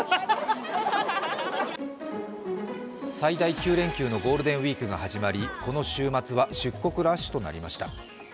最大９連休のゴールデンウイークが始まり、この週末は出国ラッシュとなりました。